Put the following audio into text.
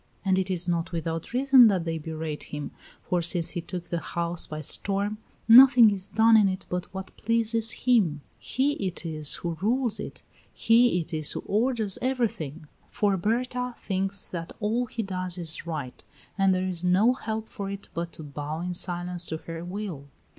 And it is not without reason that they berate him, for since he took the house by storm nothing is done in it but what pleases him; he it is who rules it, he it is who orders everything. For Berta thinks that all he does is right, and there is no help for it but to bow in silence to her will.